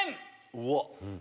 うわっ！